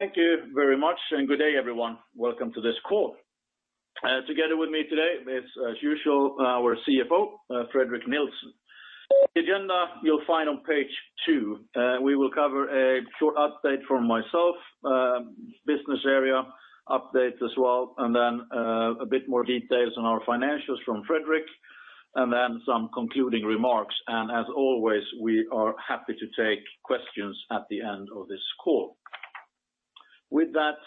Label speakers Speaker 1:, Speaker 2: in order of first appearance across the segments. Speaker 1: Thank you very much and good day, everyone. Welcome to this call. Together with me today is, as usual, our CFO, Fredrik Nilsson. The agenda you'll find on page two. We will cover a short update from myself, business area updates as well, and then a bit more details on our financials from Fredrik, and then some concluding remarks. As always, we are happy to take questions at the end of this call. With that,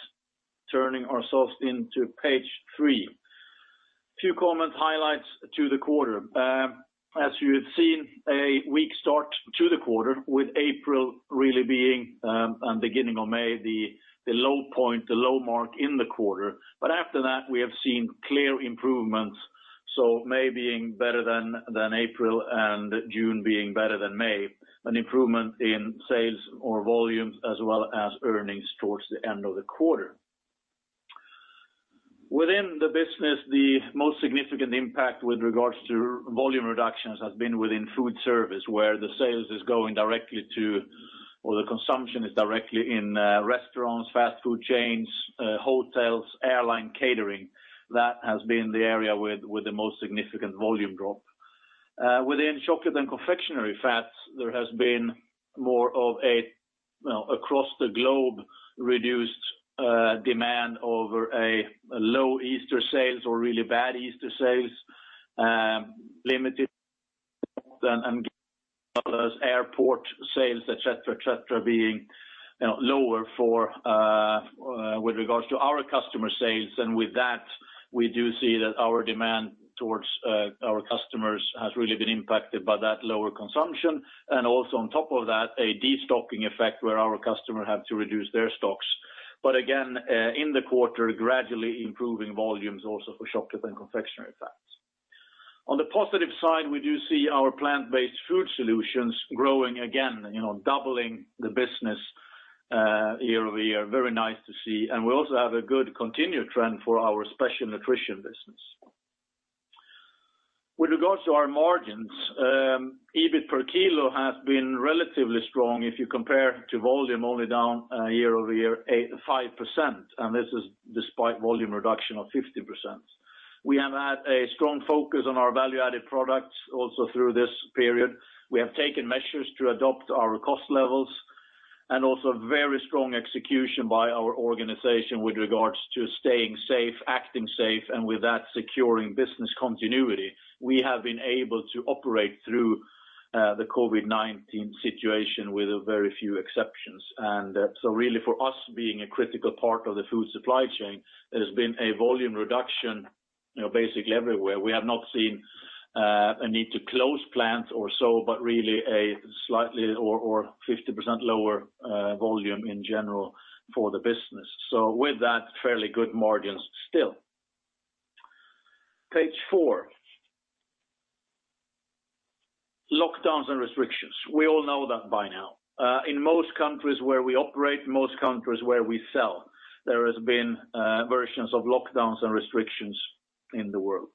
Speaker 1: turning ourselves into page three. Few comment highlights to the quarter. As you have seen, a weak start to the quarter with April really being, and beginning of May, the low point, the low mark in the quarter. After that, we have seen clear improvements, so May being better than April and June being better than May. An improvement in sales or volumes as well as earnings towards the end of the quarter. Within the business, the most significant impact with regards to volume reductions has been within Food Service, where the sales is going directly to, or the consumption is directly in restaurants, fast food chains, hotels, airline catering. That has been the area with the most significant volume drop. Within Chocolate and Confectionery Fats, there has been across the globe, reduced demand over a low Easter sales or really bad Easter sales, limited airport sales, et cetera, being lower with regards to our customer sales. With that, we do see that our demand towards our customers has really been impacted by that lower consumption. Also on top of that, a de-stocking effect where our customer had to reduce their stocks. Again, in the quarter, gradually improving volumes also for Chocolate and Confectionery Fats. On the positive side, we do see our plant-based food solutions growing again, doubling the business year-over-year. Very nice to see. We also have a good continued trend for our Special Nutrition business. With regards to our margins, EBIT per kilo has been relatively strong if you compare to volume, only down year-over-year 5%. This is despite volume reduction of 50%. We have had a strong focus on our value-added products also through this period. We have taken measures to adopt our cost levels. Also very strong execution by our organization with regards to staying safe, acting safe, and with that, securing business continuity. We have been able to operate through the COVID-19 situation with a very few exceptions. Really for us, being a critical part of the food supply chain, there's been a volume reduction basically everywhere. We have not seen a need to close plants or so, but really a slightly or 50% lower volume in general for the business. With that, fairly good margins still. Page four. Lockdowns and restrictions. We all know that by now. In most countries where we operate, most countries where we sell, there has been versions of lockdowns and restrictions in the world.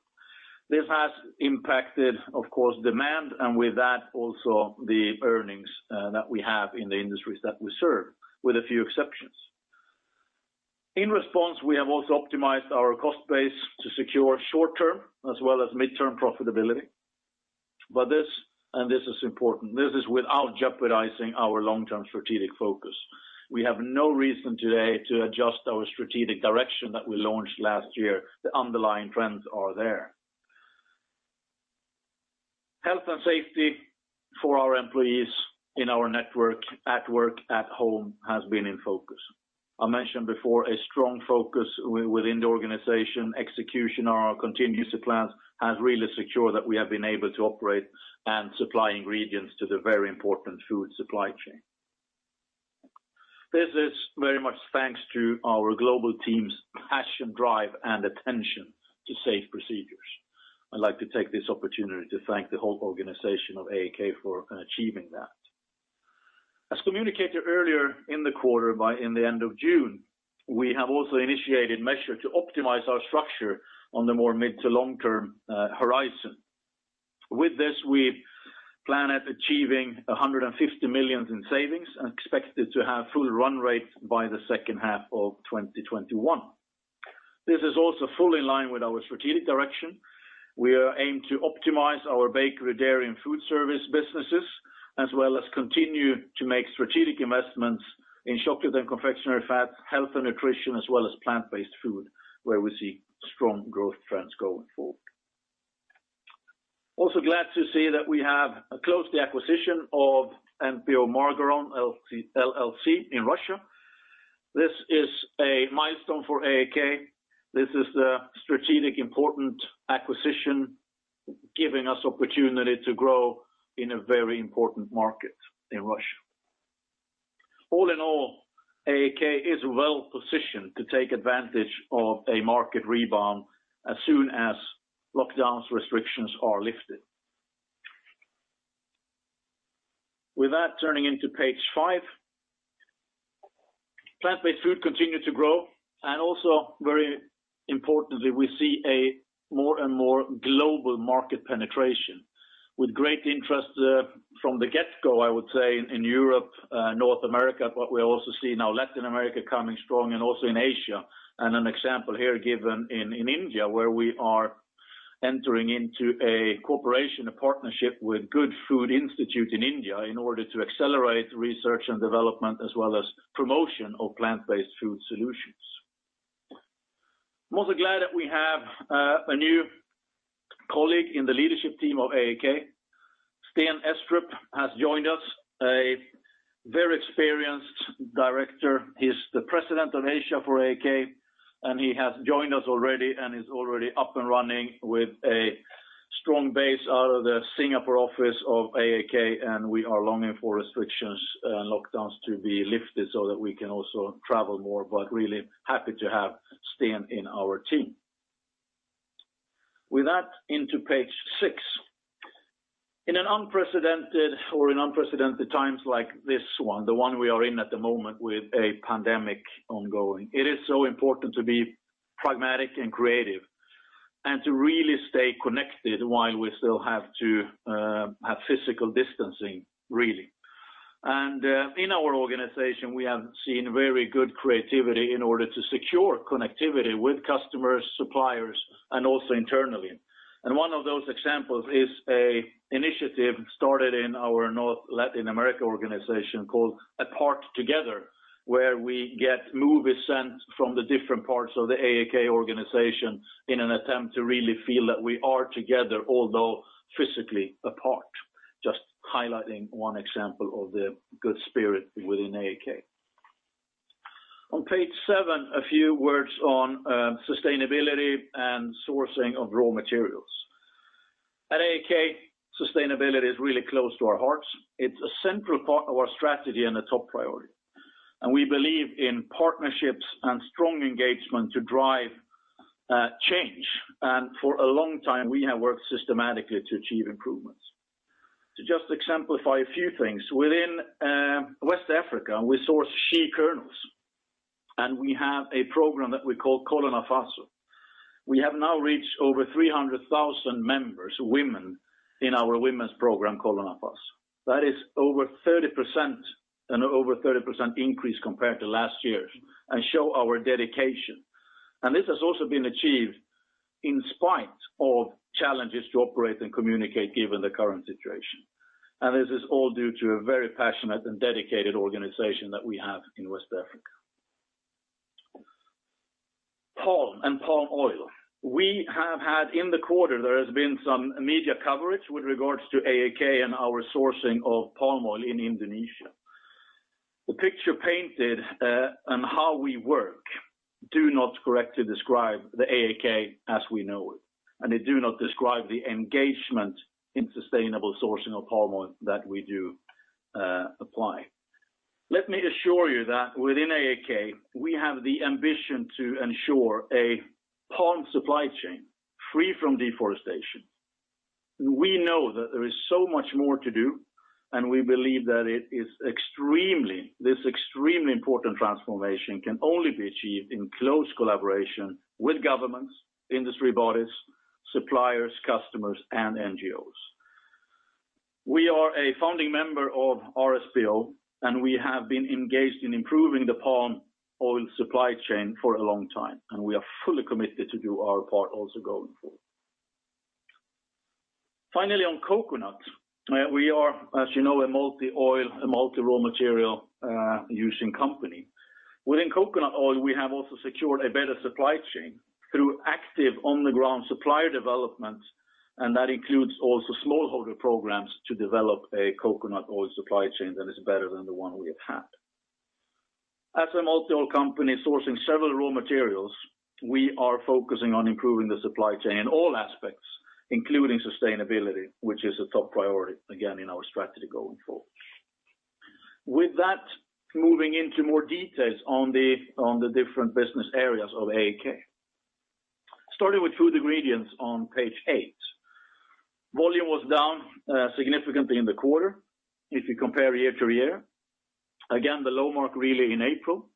Speaker 1: This has impacted, of course, demand, and with that, also the earnings that we have in the industries that we serve, with a few exceptions. In response, we have also optimized our cost base to secure short-term as well as mid-term profitability. This, and this is important, this is without jeopardizing our long-term strategic focus. We have no reason today to adjust our strategic direction that we launched last year. The underlying trends are there. Health and safety for our employees in our network, at work, at home, has been in focus. I mentioned before a strong focus within the organization, execution on our contingency plans has really secured that we have been able to operate and supply ingredients to the very important food supply chain. This is very much thanks to our global team's passion, drive, and attention to safe procedures. I'd like to take this opportunity to thank the whole organization of AAK for achieving that. As communicated earlier in the quarter, in the end of June, we have also initiated measure to optimize our structure on the more mid to long-term horizon. With this, we plan at achieving 150 million in savings and expected to have full run rate by the second half of 2021. This is also fully in line with our strategic direction. We aim to optimize our bakery, dairy, and food service businesses, as well as continue to make strategic investments in chocolate and confectionery fats, health and nutrition, as well as plant-based food, where we see strong growth trends going forward. Also glad to see that we have closed the acquisition of NPO Margaron LLC in Russia. This is a milestone for AAK. This is a strategic important acquisition, giving us opportunity to grow in a very important market in Russia. All in all, AAK is well positioned to take advantage of a market rebound as soon as lockdowns restrictions are lifted. With that, turning into page five. Plant-based food continued to grow, and also very importantly, we see a more and more global market penetration. With great interest from the get-go, I would say, in Europe, North America, but we also see now Latin America coming strong, and also in Asia. An example here given in India, where we are entering into a cooperation, a partnership with The Good Food Institute India in order to accelerate research and development, as well as promotion of plant-based food solutions. I'm also glad that we have a new colleague in the leadership team of AAK. Sten Estrup has joined us, a very experienced director. He's the President of Asia for AAK, and he has joined us already and is already up and running with a strong base out of the Singapore office of AAK, and we are longing for restrictions and lockdowns to be lifted so that we can also travel more, but really happy to have Sten in our team. With that, into page six. In unprecedented times like this one, the one we are in at the moment with a pandemic ongoing, it is so important to be pragmatic and creative and to really stay connected while we still have to have physical distancing, really. In our organization, we have seen very good creativity in order to secure connectivity with customers, suppliers, and also internally. One of those examples is an initiative started in our North Latin America organization called Apart Together, where we get movies sent from the different parts of the AAK organization in an attempt to really feel that we are together, although physically apart. Just highlighting one example of the good spirit within AAK. On page seven, a few words on sustainability and sourcing of raw materials. At AAK, sustainability is really close to our hearts. It's a central part of our strategy and a top priority, and we believe in partnerships and strong engagement to drive change. For a long time, we have worked systematically to achieve improvements. To just exemplify a few things, within West Africa, we source shea kernels, and we have a program that we call Kolo Nafaso. We have now reached over 300,000 members, women, in our women's program, Kolo Nafaso. That is over 30% increase compared to last year's and show our dedication. This has also been achieved in spite of challenges to operate and communicate given the current situation. This is all due to a very passionate and dedicated organization that we have in West Africa. Palm and palm oil. We have had in the quarter, there has been some media coverage with regards to AAK and our sourcing of palm oil in Indonesia. The picture painted and how we work do not correctly describe the AAK as we know it, and they do not describe the engagement in sustainable sourcing of palm oil that we do apply. Let me assure you that within AAK, we have the ambition to ensure a palm supply chain free from deforestation. We know that there is so much more to do, and we believe that this extremely important transformation can only be achieved in close collaboration with governments, industry bodies, suppliers, customers, and NGOs. We are a founding member of RSPO, and we have been engaged in improving the palm oil supply chain for a long time, and we are fully committed to do our part also going forward. Finally, on coconut. We are, as you know, a multi-oil, a multi-raw material using company. Within coconut oil, we have also secured a better supply chain through active on-the-ground supplier development, and that includes also smallholder programs to develop a coconut oil supply chain that is better than the one we have had. As a multi-oil company sourcing several raw materials, we are focusing on improving the supply chain in all aspects, including sustainability, which is a top priority, again, in our strategy going forward. With that, moving into more details on the different business areas of AAK. Starting with Food Ingredients on page eight. Volume was down significantly in the quarter if you compare year to year. Again, the low mark really in April,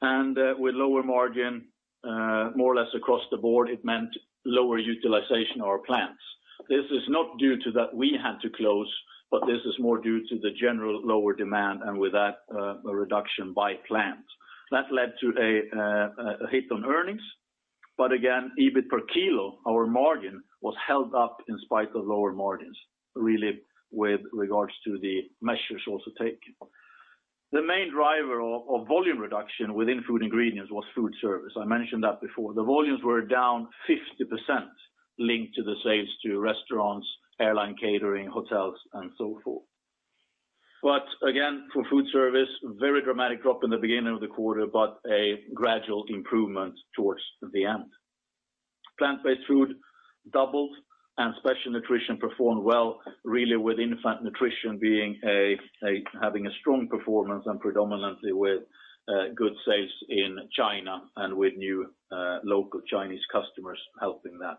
Speaker 1: and with lower margin, more or less across the board, it meant lower utilization of our plants. This is not due to that we had to close, but this is more due to the general lower demand, and with that, a reduction by plants. That led to a hit on earnings, but again, EBIT per kilo, our margin, was held up in spite of lower margins, really with regards to the measures also taken. The main driver of volume reduction within Food Ingredients was Food Service. I mentioned that before. The volumes were down 50% linked to the sales to restaurants, airline catering, hotels, and so forth. Again, for Food Service, very dramatic drop in the beginning of the quarter, but a gradual improvement towards the end. Plant-based food doubled, and Special Nutrition performed well, really with infant nutrition having a strong performance and predominantly with good sales in China and with new local Chinese customers helping that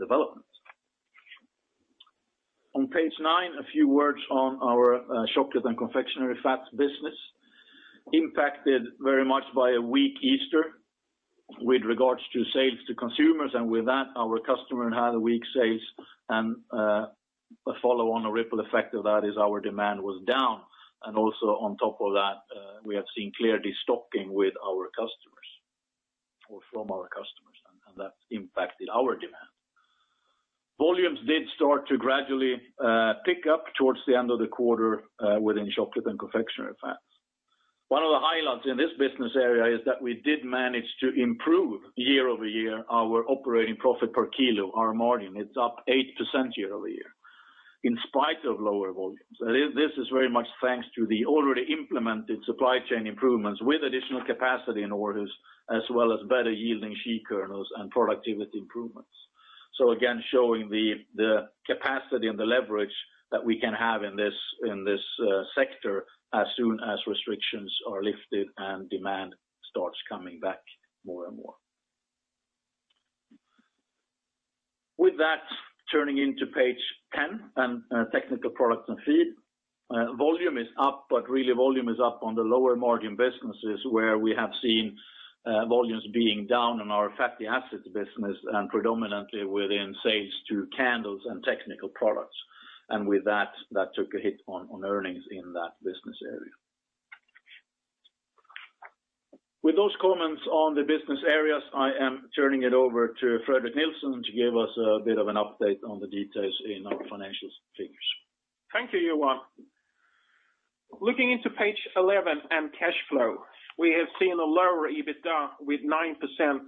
Speaker 1: development. On page nine, a few words on our Chocolate & Confectionery Fats business. Impacted very much by a weak Easter with regards to sales to consumers. With that, our customer had weak sales and a follow-on, a ripple effect of that is our demand was down. On top of that, we have seen clear de-stocking with our customers or from our customers. That's impacted our demand. Volumes did start to gradually pick up towards the end of the quarter within Chocolate & Confectionery Fats. One of the highlights in this business area is that we did manage to improve year-over-year our operating profit per kilo, our margin. It's up 8% year-over-year in spite of lower volumes. This is very much thanks to the already implemented supply chain improvements with additional capacity and orders, as well as better yielding shea kernels and productivity improvements. Again, showing the capacity and the leverage that we can have in this sector as soon as restrictions are lifted and demand starts coming back more and more. With that, turning into page 10 on Technical Products & Feed. Volume is up, but really volume is up on the lower margin businesses where we have seen volumes being down in our fatty acids business and predominantly within sales to candles and technical products. With that took a hit on earnings in that business area. With those comments on the business areas, I am turning it over to Fredrik Nilsson to give us a bit of an update on the details in our financial figures.
Speaker 2: Thank you, Johan. Looking into page 11 and cash flow, we have seen a lower EBITDA with 9%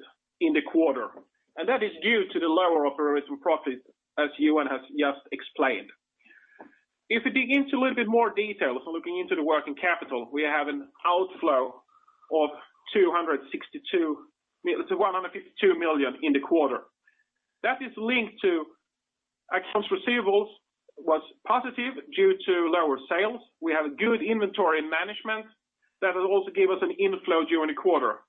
Speaker 2: in the quarter, and that is due to the lower operating profit, as Johan has just explained. If we dig into a little bit more details, looking into the working capital, we have an outflow of 262 million to 152 million in the quarter. That is linked to accounts receivables was positive due to lower sales. We have a good inventory management that will also give us an inflow during the quarter.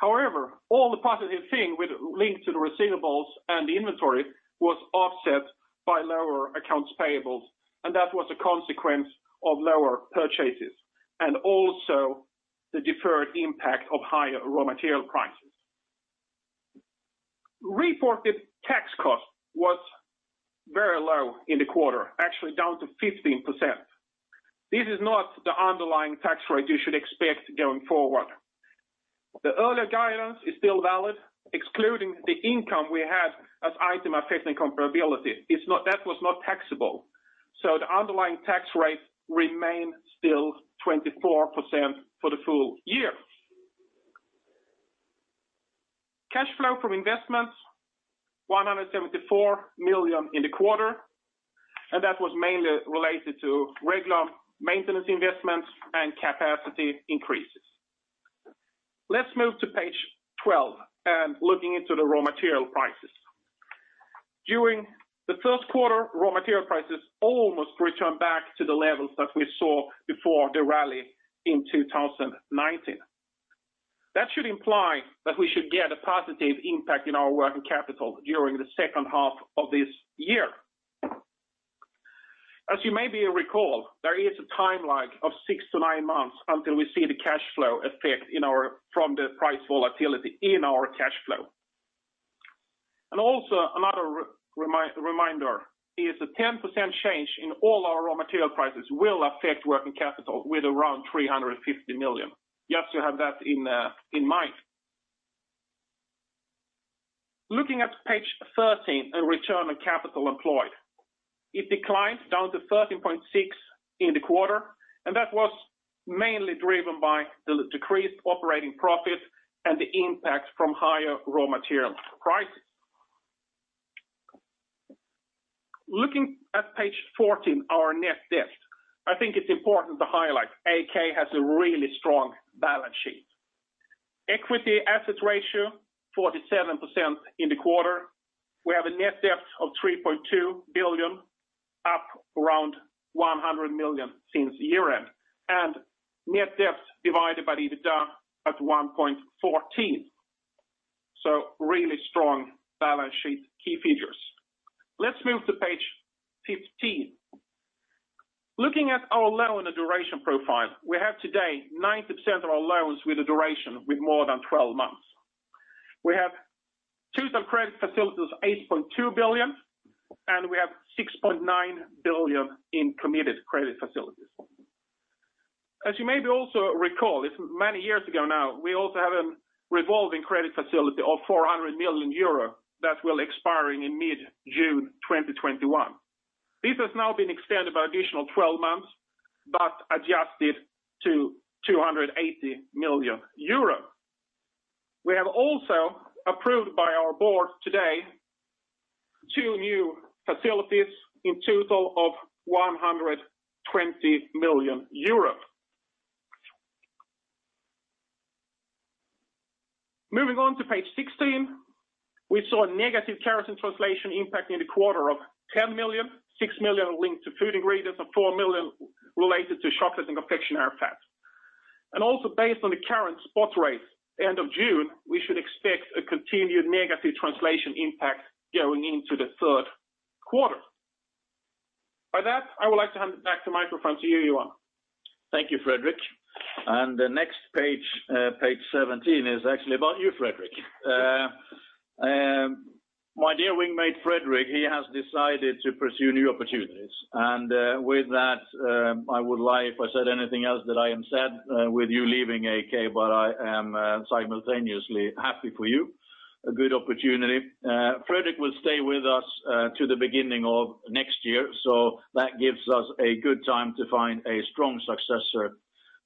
Speaker 2: However, all the positive thing linked to the receivables and the inventory was offset by lower accounts payables, and that was a consequence of lower purchases and also the deferred impact of higher raw material prices. Reported tax cost was very low in the quarter, actually down to 15%. This is not the underlying tax rate you should expect going forward. The earlier guidance is still valid, excluding the income we had as item of accounting comparability. That was not taxable. The underlying tax rate remain still 24% for the full year. Cash flow from investments, 174 million in the quarter, that was mainly related to regular maintenance investments and capacity increases. Let's move to page 12 looking into the raw material prices. During the first quarter, raw material prices almost return back to the levels that we saw before the rally in 2019. That should imply that we should get a positive impact in our working capital during the second half of this year. As you maybe recall, there is a time lag of six to nine months until we see the cash flow effect from the price volatility in our cash flow. Also another reminder is a 10% change in all our raw material prices will affect working capital with around 350 million. Just to have that in mind. Looking at page 13 on return on capital employed. It declines down to 13.6 in the quarter, that was mainly driven by the decreased operating profit and the impact from higher raw material prices. Looking at page 14, our net debt, I think it's important to highlight AAK has a really strong balance sheet. Equity assets ratio, 47% in the quarter. We have a net debt of 3.2 billion, up around 100 million since year-end. Net debt divided by EBITDA at 1.14. Really strong balance sheet key features. Let's move to page 15. Looking at our loan and duration profile, we have today 90% of our loans with a duration with more than 12 months. We have total credit facilities, 8.2 billion, and we have 6.9 billion in committed credit facilities. As you maybe also recall, it's many years ago now, we also have a revolving credit facility of 400 million euro that will expire in mid-June 2021. This has now been extended by additional 12 months, but adjusted to 280 million euros. We have also approved by our board today two new facilities in total of 120 million euros. Moving on to page 16, we saw a negative currency translation impact in the quarter of 10 million, 6 million linked to Food Ingredients, and 4 million related to Chocolate & Confectionery Fats. Based on the current spot rates end of June, we should expect a continued negative translation impact going into the third quarter. By that, I would like to hand back the microphone to you, Johan.
Speaker 1: Thank you, Fredrik. The next page 17, is actually about you, Fredrik. My dear wing mate, Fredrik, he has decided to pursue new opportunities. With that, I would lie if I said anything else than I am sad with you leaving AAK, but I am simultaneously happy for you. A good opportunity. Fredrik will stay with us to the beginning of next year, so that gives us a good time to find a strong successor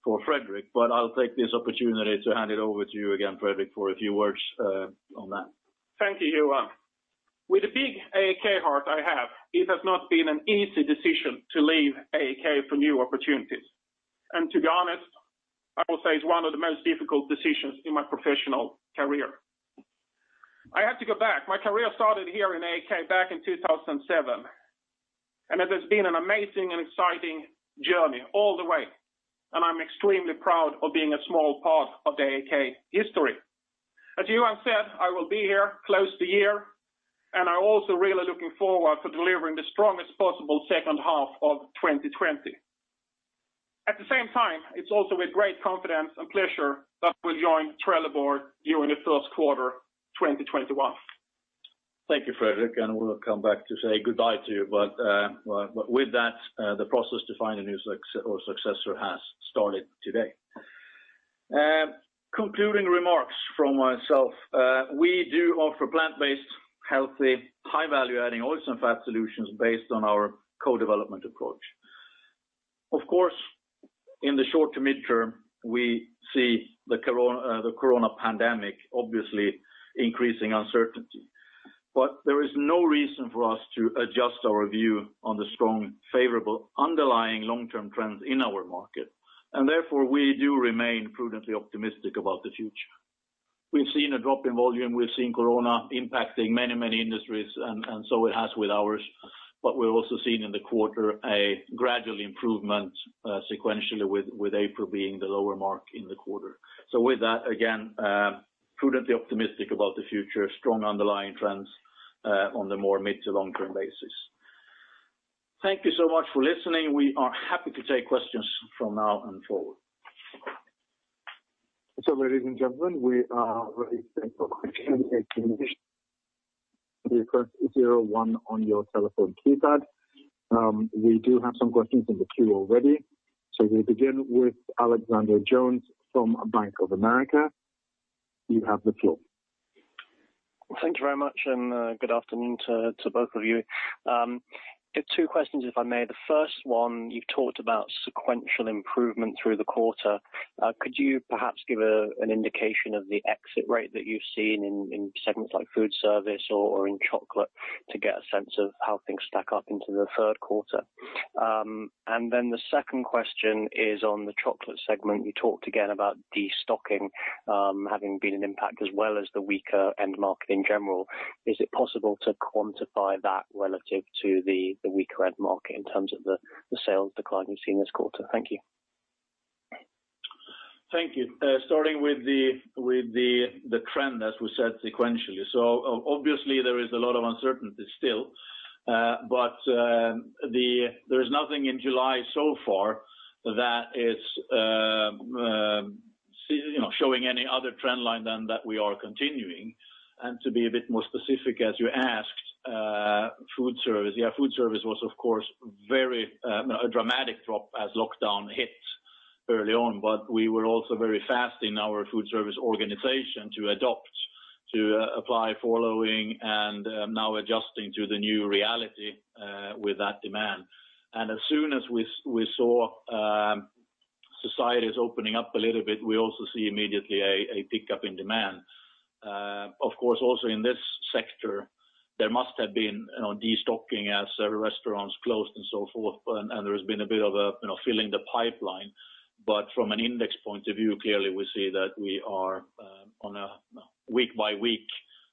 Speaker 1: for Fredrik. I'll take this opportunity to hand it over to you again, Fredrik, for a few words on that.
Speaker 2: Thank you, Johan. With the big AAK heart I have, it has not been an easy decision to leave AAK for new opportunities. To be honest, I will say it's one of the most difficult decisions in my professional career. I have to go back. My career started here in AAK back in 2007, and it has been an amazing and exciting journey all the way, and I'm extremely proud of being a small part of the AAK history. As Johan said, I will be here close to a year, and I'm also really looking forward to delivering the strongest possible second half of 2020. At the same time, it's also with great confidence and pleasure that I will join Trelleborg during the first quarter 2021.
Speaker 1: Thank you, Fredrik, and we'll come back to say goodbye to you. With that, the process to find a new successor has started today. Concluding remarks from myself. We do offer plant-based, healthy, high-value adding oils and fat solutions based on our co-development approach. Of course, in the short to mid-term, we see the corona pandemic obviously increasing uncertainty. There is no reason for us to adjust our view on the strong, favorable underlying long-term trends in our market. Therefore, we do remain prudently optimistic about the future. We've seen a drop in volume, we've seen corona impacting many, many industries, and so it has with ours. We've also seen in the quarter a gradual improvement sequentially, with April being the lower mark in the quarter. With that, again, prudently optimistic about the future. Strong underlying trends on the more mid to long-term basis. Thank you so much for listening. We are happy to take questions from now on forward.
Speaker 3: Ladies and gentlemen, we are ready to take your questions. To request, zero one on your telephone keypad. We do have some questions in the queue already. We begin with Alexander Jones from Bank of America. You have the floor.
Speaker 4: Thank you very much, and good afternoon to both of you. Two questions, if I may. The first one, you've talked about sequential improvement through the quarter. Could you perhaps give an indication of the exit rate that you've seen in segments like food service or in chocolate to get a sense of how things stack up into the third quarter? The second question is on the chocolate segment. You talked again about de-stocking having been an impact as well as the weaker end market in general. Is it possible to quantify that relative to the weaker end market in terms of the sales decline you've seen this quarter? Thank you.
Speaker 1: Thank you. Starting with the trend, as we said, sequentially. Obviously there is a lot of uncertainty still. There's nothing in July so far that is showing any other trend line than that we are continuing. To be a bit more specific, as you asked, Food Service. Yeah, Food Service was, of course, a dramatic drop as lockdown hit early on. We were also very fast in our Food Service organization to adopt, to apply following, and now adjusting to the new reality with that demand. As soon as we saw societies opening up a little bit, we also see immediately a pickup in demand. Of course, also in this sector, there must have been de-stocking as several restaurants closed and so forth, and there has been a bit of a filling the pipeline. from an index point of view, clearly, we see that we are on a week-by-week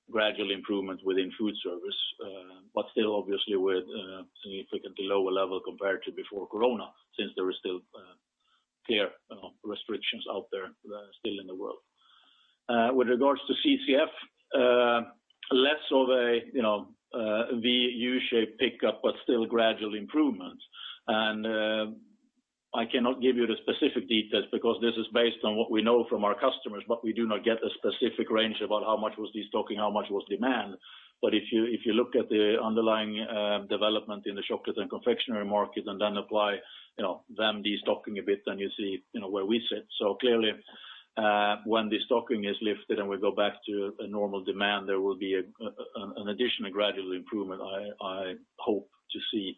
Speaker 1: gradual improvement within food service. still, obviously, with a significantly lower level compared to before corona, since there is still clear restrictions out there still in the world. With regards to CCF, less of a V, U-shaped pickup, but still gradual improvement. I cannot give you the specific details because this is based on what we know from our customers, but we do not get a specific range about how much was de-stocking, how much was demand. if you look at the underlying development in the chocolate and confectionery market and then apply the de-stocking a bit, then you see where we sit. clearly, when de-stocking is lifted and we go back to a normal demand, there will be an additional gradual improvement, I hope to see.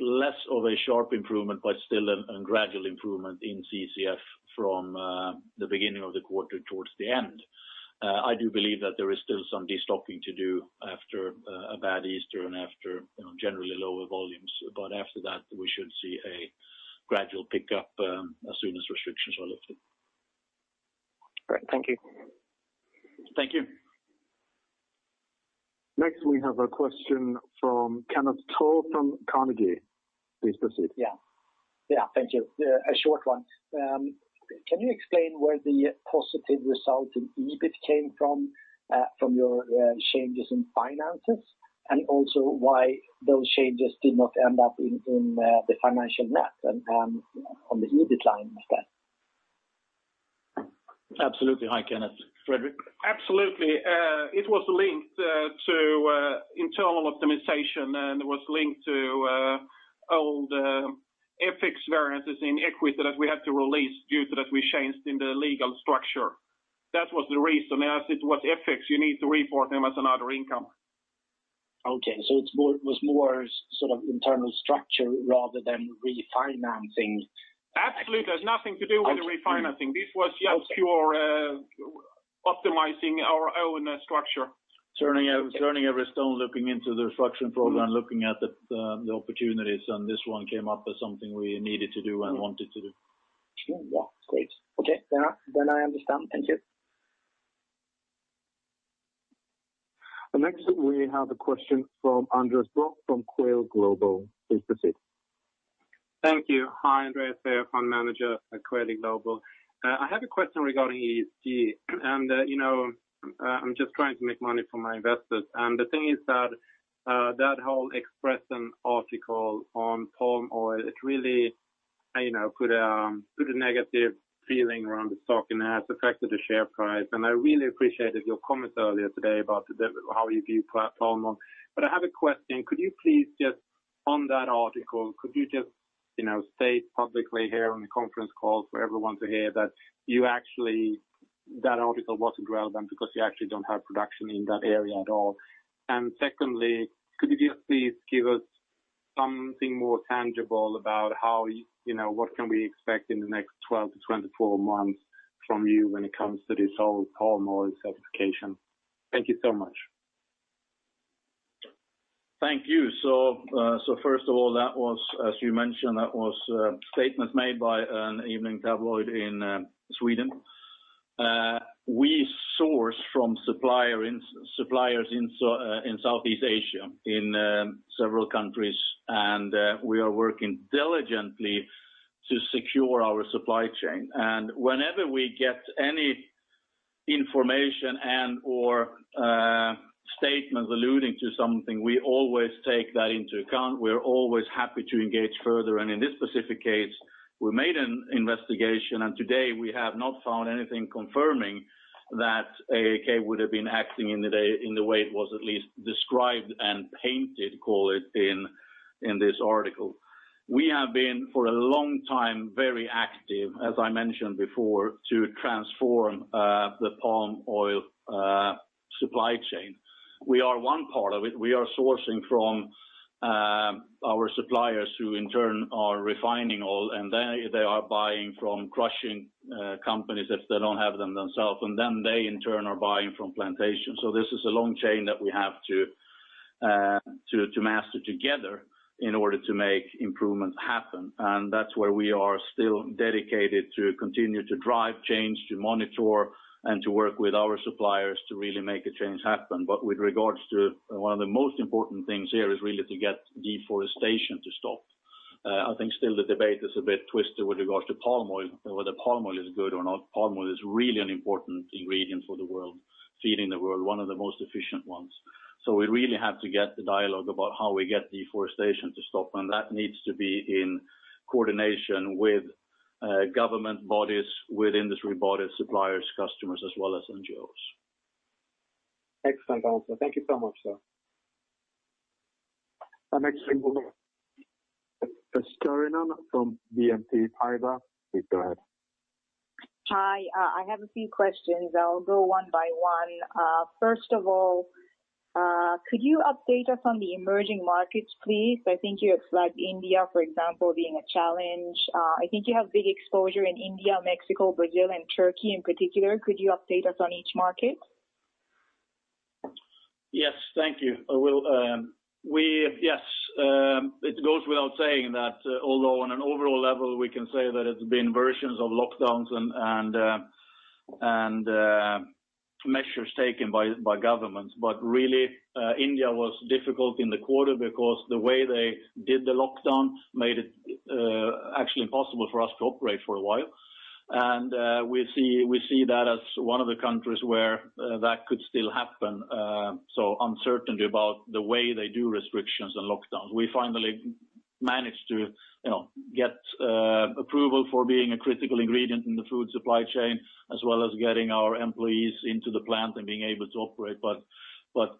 Speaker 1: less of a sharp improvement, but still a gradual improvement in CCF from the beginning of the quarter towards the end. I do believe that there is still some de-stocking to do after a bad Easter and after generally lower volumes. after that, we should see a gradual pickup as soon as restrictions are lifted.
Speaker 4: Great. Thank you.
Speaker 1: Thank you.
Speaker 3: Next, we have a question from Kenneth Toll Johansson, Carnegie. Please proceed.
Speaker 5: Yeah, thank you. A short one. Can you explain where the positive result in EBIT came from your changes in finances? Also why those changes did not end up in the financial net and on the EBIT line instead?
Speaker 1: Absolutely. Hi, Kenneth. Fredrik?
Speaker 2: Absolutely. It was linked to internal optimization and it was linked to old FX variances in equity that we had to release due to that we changed in the legal structure. That was the reason. As it was FX, you need to report them as another income.
Speaker 5: Okay. It was more internal structure rather than refinancing?
Speaker 2: Absolutely. It has nothing to do with refinancing. This was just pure optimizing our own structure.
Speaker 1: Turning every stone, looking into the [reflection program], looking at the opportunities, and this one came up as something we needed to do and wanted to do.
Speaker 5: Yeah. Great. Okay. I understand. Thank you.
Speaker 3: Next, we have a question from Andreas Brock from Coeli Global. Please proceed.
Speaker 6: Thank you. Hi, Andreas here, fund manager at Coeli Global. I have a question regarding ESG, and I'm just trying to make money for my investors, and the thing is that whole Expressen article on palm oil, it really put a negative feeling around the stock and has affected the share price. I really appreciated your comments earlier today about how you view palm oil. I have a question. Could you please just, on that article, could you just state publicly here on the conference call for everyone to hear that article wasn't relevant because you actually don't have production in that area at all? Secondly, could you just please give us something more tangible about what can we expect in the next 12 to 24 months from you when it comes to this whole palm oil certification? Thank you so much.
Speaker 1: Thank you. First of all, as you mentioned, that was a statement made by an evening tabloid in Sweden. We source from suppliers in Southeast Asia, in several countries, and we are working diligently to secure our supply chain. Whenever we get any information and/or statements alluding to something, we always take that into account. We're always happy to engage further, and in this specific case, we made an investigation, and today we have not found anything confirming that AAK would have been acting in the way it was at least described and painted, call it, in this article. We have been, for a long time, very active, as I mentioned before, to transform the palm oil supply chain. We are one part of it. We are sourcing from our suppliers who in turn are refining oil, and they are buying from crushing companies if they don't have them themselves, and then they in turn are buying from plantations. This is a long chain that we have to master together in order to make improvements happen. That's where we are still dedicated to continue to drive change, to monitor, and to work with our suppliers to really make a change happen. With regards to one of the most important things here is really to get deforestation to stop. I think still the debate is a bit twisted with regards to palm oil, whether palm oil is good or not. Palm oil is really an important ingredient for the world, feeding the world, one of the most efficient ones. We really have to get the dialogue about how we get deforestation to stop, and that needs to be in coordination with government bodies, with industry bodies, suppliers, customers, as well as NGOs.
Speaker 6: Excellent answer. Thank you so much, sir.
Speaker 3: Next thing we'll go to from BNP Paribas. Please go ahead.
Speaker 7: Hi, I have a few questions. I'll go one by one. First of all, could you update us on the emerging markets, please? I think you have flagged India, for example, being a challenge. I think you have big exposure in India, Mexico, Brazil, and Turkey in particular. Could you update us on each market?
Speaker 1: Yes, thank you. I will. Yes, it goes without saying that although on an overall level, we can say that it's been versions of lockdowns and measures taken by governments. Really, India was difficult in the quarter because the way they did the lockdown made it actually impossible for us to operate for a while. We see that as one of the countries where that could still happen. Uncertainty about the way they do restrictions and lockdowns. We finally managed to get approval for being a critical ingredient in the food supply chain, as well as getting our employees into the plant and being able to operate.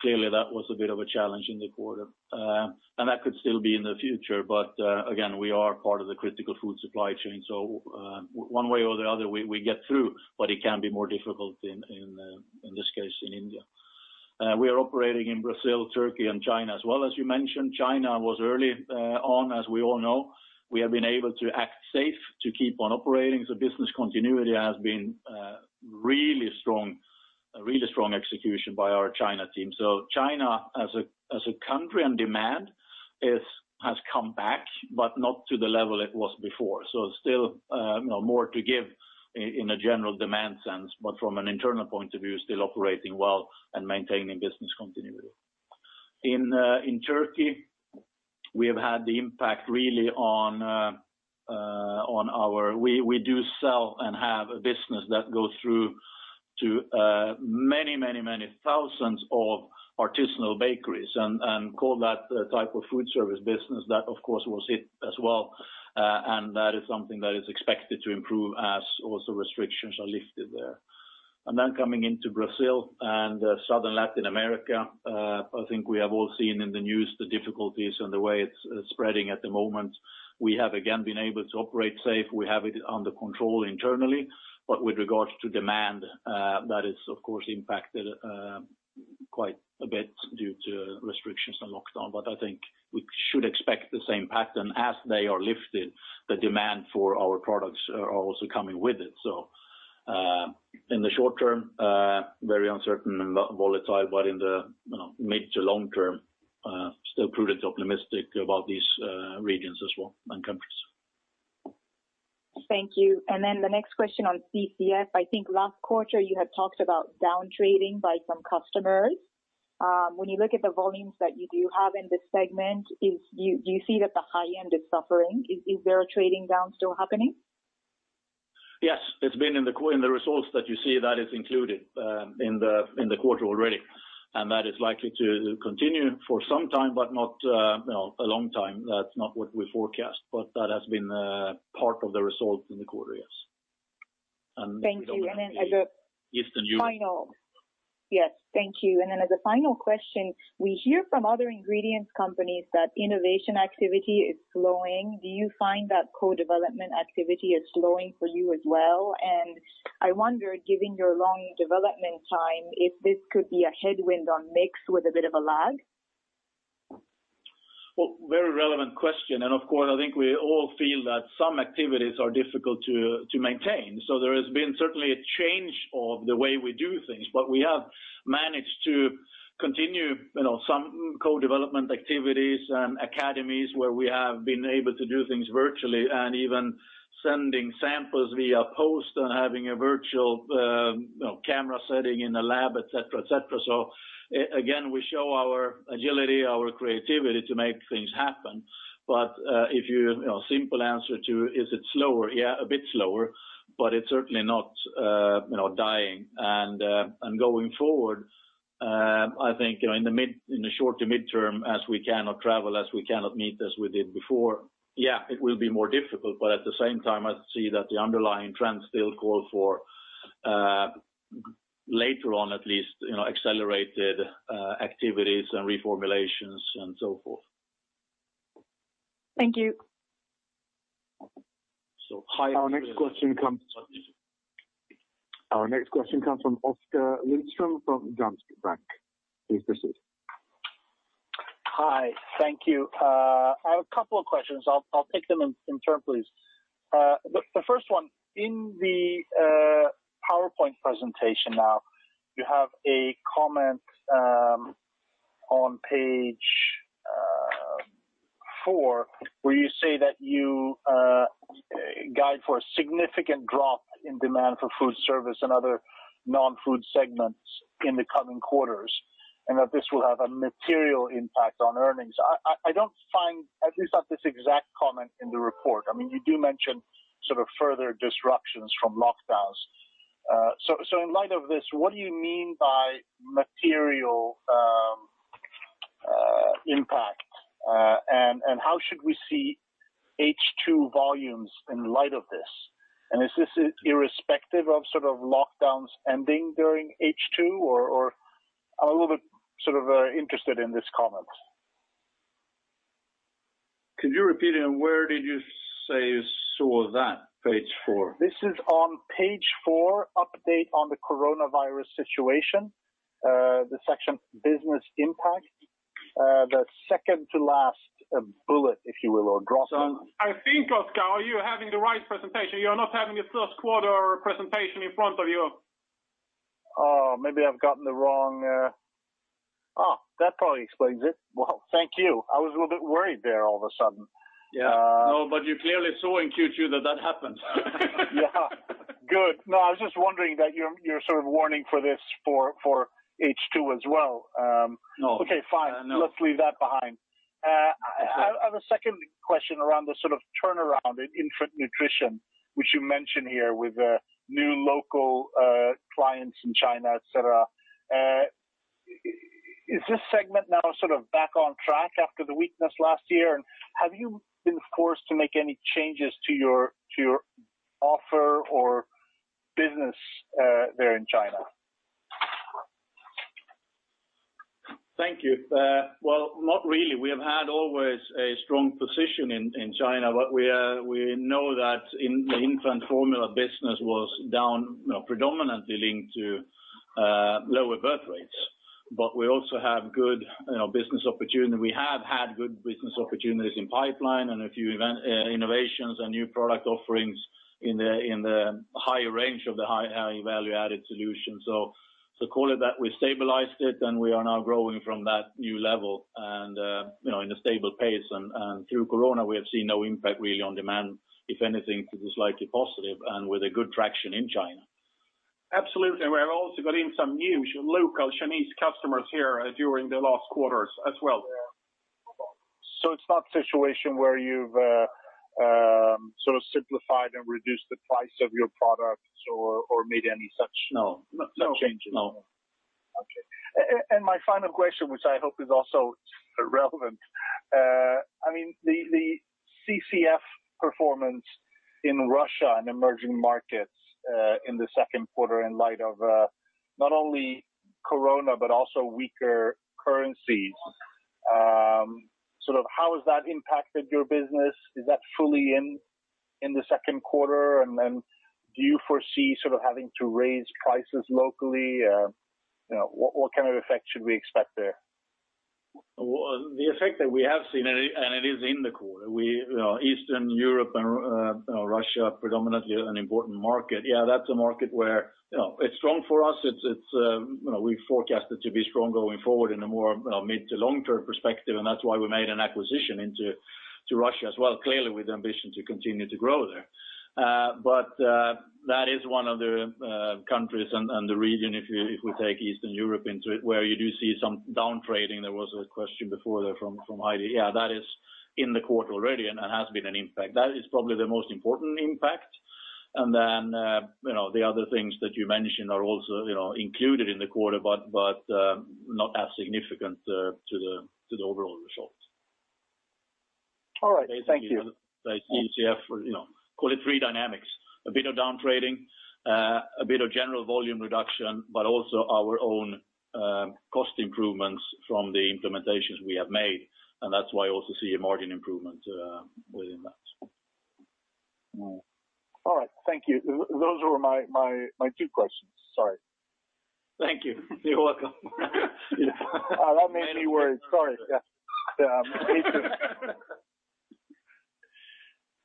Speaker 1: Clearly, that was a bit of a challenge in the quarter. That could still be in the future, but again, we are part of the critical food supply chain. One way or the other, we get through, but it can be more difficult in this case in India. We are operating in Brazil, Turkey, and China as well. As you mentioned, China was early on, as we all know. We have been able to act safe to keep on operating. Business continuity has been really strong execution by our China team. China as a country on demand has come back, but not to the level it was before. Still more to give in a general demand sense, but from an internal point of view, still operating well and maintaining business continuity. In Turkey, we have had the impact really on our We do sell and have a business that goes through to many, many thousands of artisanal bakeries and call that type of food service business. That, of course, was hit as well, and that is something that is expected to improve as also restrictions are lifted there. coming into Brazil and Southern Latin America, I think we have all seen in the news the difficulties and the way it's spreading at the moment. We have, again, been able to operate safe. We have it under control internally, but with regards to demand, that is, of course, impacted quite a bit due to restrictions and lockdown. I think we should expect the same pattern. As they are lifted, the demand for our products are also coming with it. in the short term, very uncertain and volatile, but in the mid to long term, still prudent, optimistic about these regions as well, and countries.
Speaker 7: Thank you. The next question on CCF. I think last quarter you had talked about downtrading by some customers. When you look at the volumes that you do have in this segment, do you see that the high end is suffering? Is there a trading down still happening?
Speaker 1: Yes. In the results that you see, that is included in the quarter already, and that is likely to continue for some time, but not a long time. That's not what we forecast, but that has been part of the results in the quarter, yes.
Speaker 7: Thank you. as a-
Speaker 1: Yes.
Speaker 7: final. Yes. Thank you. as a final question, we hear from other ingredients companies that innovation activity is slowing. Do you find that co-development activity is slowing for you as well? I wonder, given your long development time, if this could be a headwind on mix with a bit of a lag?
Speaker 1: Well, very relevant question, and of course, I think we all feel that some activities are difficult to maintain. There has been certainly a change of the way we do things. We have managed to continue some co-development activities and academies where we have been able to do things virtually and even sending samples via post and having a virtual camera setting in a lab, et cetera. Again, we show our agility, our creativity to make things happen. Simple answer to, is it slower? Yeah, a bit slower, but it's certainly not dying. Going forward, I think, in the short to mid-term, as we cannot travel, as we cannot meet as we did before, yeah, it will be more difficult. At the same time, I see that the underlying trends still call for, later on at least, accelerated activities and reformulations and so forth.
Speaker 7: Thank you.
Speaker 1: So-
Speaker 3: Our next question comes from Oskar Lindström from Danske Bank. Please proceed.
Speaker 8: Hi. Thank you. I have a couple of questions. I'll take them in turn, please. The first one, in the PowerPoint presentation now, you have a comment on page four where you say that you guide for a significant drop in demand for food service and other non-food segments in the coming quarters, and that this will have a material impact on earnings. I don't find at least that this exact comment in the report. You do mention further disruptions from lockdowns. In light of this, what do you mean by material impact, and how should we see H2 volumes in light of this? Is this irrespective of lockdowns ending during H2 or? I'm a little bit interested in this comment.
Speaker 1: Could you repeat again, where did you say you saw that, page four?
Speaker 8: This is on page four, Update on the Coronavirus Situation, the section Business Impact, the second to last bullet, if you will, or drop down.
Speaker 1: I think, Oskar, are you having the right presentation? You're not having a first quarter presentation in front of you?
Speaker 8: Oh, that probably explains it. Well, thank you. I was a little bit worried there all of a sudden.
Speaker 1: Yeah. No, you're clearly so in Q2 that happens.
Speaker 8: Yeah. Good. No, I was just wondering that you're warning for this for H2 as well.
Speaker 1: No.
Speaker 8: Okay, fine. Let's leave that behind. I have a second question around the turnaround in infant nutrition, which you mention here with new local clients in China, et cetera. Is this segment now back on track after the weakness last year? Have you been forced to make any changes to your offer or business there in China?
Speaker 1: Thank you. Well, not really. We have had always a strong position in China, but we know that the infant formula business was down predominantly linked to lower birth rates. We also have good business opportunity. We have had good business opportunities in pipeline and a few innovations and new product offerings in the higher range of the high value-added solution. Call it that we stabilized it, and we are now growing from that new level and in a stable pace. Through Corona, we have seen no impact really on demand. If anything, it was slightly positive and with a good traction in China. Absolutely. We have also got in some new local Chinese customers here during the last quarters as well.
Speaker 8: it's not a situation where you've simplified and reduced the price of your products or made any such-
Speaker 1: No
Speaker 8: changes?
Speaker 1: No.
Speaker 8: Okay. My final question, which I hope is also relevant. The CCF performance in Russia and emerging markets in the second quarter in light of not only COVID-19 but also weaker currencies, how has that impacted your business? Is that fully in the second quarter, and then do you foresee having to raise prices locally? What kind of effect should we expect there?
Speaker 1: The effect that we have seen, and it is in the quarter. Eastern Europe and Russia predominantly are an important market. Yeah, that's a market where it's strong for us. We forecast it to be strong going forward in a more mid to long-term perspective, and that's why we made an acquisition into Russia as well, clearly with the ambition to continue to grow there. That is one of the countries and the region, if we take Eastern Europe into it, where you do see some down-trading. There was a question before there from Heidi. Yeah, that is in the quarter already and has been an impact. That is probably the most important impact. The other things that you mentioned are also included in the quarter, but not as significant to the overall results.
Speaker 8: All right. Thank you.
Speaker 1: Basically, the CCF, call it three dynamics, a bit of down-trading, a bit of general volume reduction, but also our own cost improvements from the implementations we have made, and that's why you also see a margin improvement within that.
Speaker 8: All right. Thank you. Those were my two questions. Sorry.
Speaker 1: Thank you. You're welcome.
Speaker 8: That made me worried. Sorry. Yeah. Me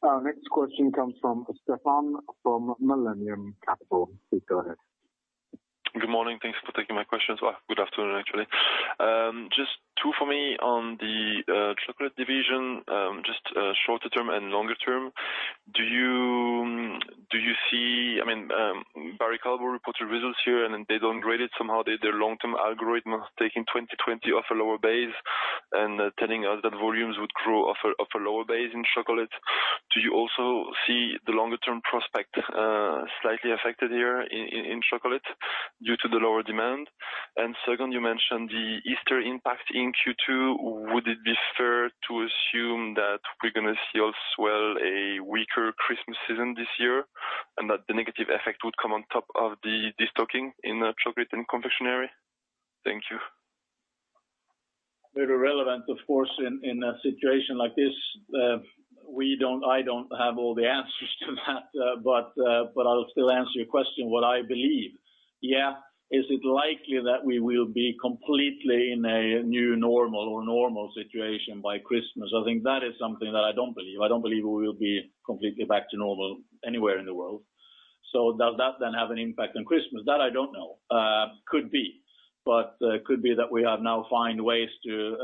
Speaker 8: too.
Speaker 3: Our next question comes from Stefan from Millennium Capital. Please go ahead.
Speaker 9: Good morning. Thanks for taking my questions. Good afternoon, actually. Just two for me on the chocolate division, just shorter term and longer term. Barry Callebaut reported results here, and then they downgraded somehow their long-term algorithm, taking 2020 off a lower base and telling us that volumes would grow off a lower base in chocolate. Do you also see the longer-term prospect slightly affected here in chocolate due to the lower demand? Second, you mentioned the Easter impact in Q2. Would it be fair to assume that we're going to see as well a weaker Christmas season this year, and that the negative effect would come on top of the de-stocking in chocolate and confectionery? Thank you.
Speaker 1: Very relevant, of course, in a situation like this. I don't have all the answers to that, but I'll still answer your question what I believe. Yeah. Is it likely that we will be completely in a new normal or normal situation by Christmas? I think that is something that I don't believe. I don't believe we will be completely back to normal anywhere in the world. Does that then have an impact on Christmas? That I don't know. Could be. Could be that we have now found ways to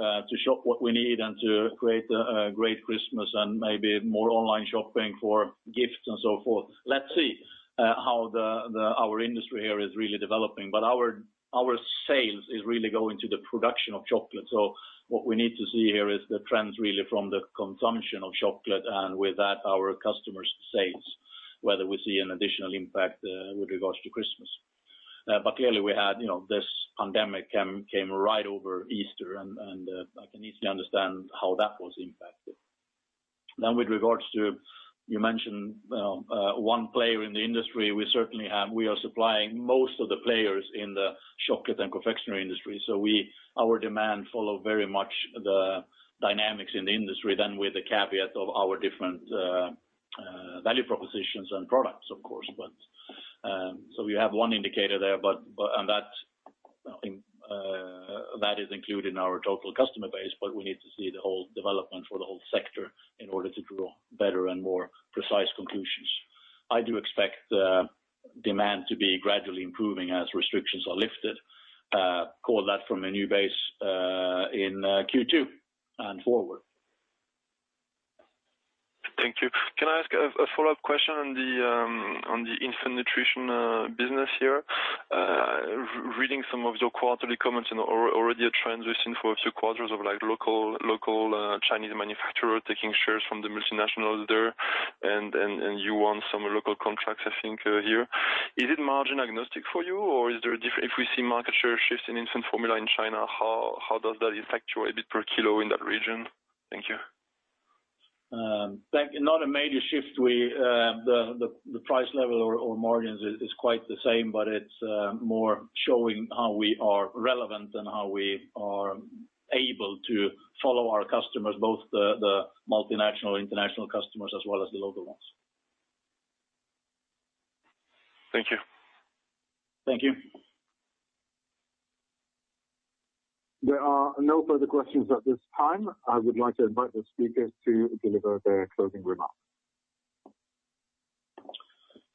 Speaker 1: shop what we need and to create a great Christmas and maybe more online shopping for gifts and so forth. Let's see how our industry here is really developing. Our sales is really going to the production of chocolate. what we need to see here is the trends really from the consumption of chocolate and with that our customers' sales, whether we see an additional impact with regards to Christmas. clearly we had this pandemic came right over Easter, and I can easily understand how that was impacted. with regards to, you mentioned one player in the industry. We are supplying most of the players in the chocolate and confectionery industry. our demand follow very much the dynamics in the industry then with the caveat of our different value propositions and products, of course. we have one indicator there. That is included in our total customer base, but we need to see the whole development for the whole sector in order to draw better and more precise conclusions. I do expect demand to be gradually improving as restrictions are lifted. Call that from a new base in Q2 and forward.
Speaker 9: Thank you. Can I ask a follow-up question on the infant nutrition business here? Reading some of your quarterly comments and already a transition for a few quarters of local Chinese manufacturer taking shares from the multinationals there, and you won some local contracts, I think here. Is it margin agnostic for you? Or if we see market share shifts in infant formula in China, how does that affect your EBIT per kilo in that region? Thank you.
Speaker 1: Not a major shift. The price level or margins is quite the same, but it's more showing how we are relevant than how we are able to follow our customers, both the multinational international customers as well as the local ones.
Speaker 9: Thank you.
Speaker 1: Thank you.
Speaker 3: There are no further questions at this time. I would like to invite the speakers to deliver their closing remarks.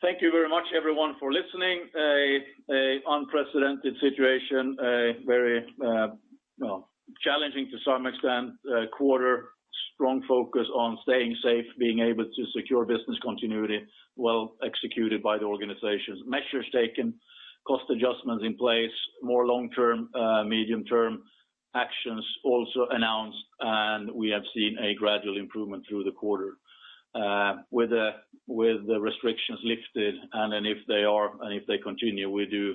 Speaker 1: Thank you very much, everyone, for listening. An unprecedented situation, a very challenging, to some extent, quarter. Strong focus on staying safe, being able to secure business continuity, well executed by the organizations. Measures taken, cost adjustments in place, more long-term, medium-term actions also announced, and we have seen a gradual improvement through the quarter. With the restrictions lifted and if they continue, we do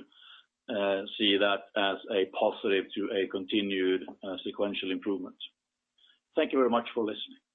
Speaker 1: see that as a positive to a continued sequential improvement. Thank you very much for listening.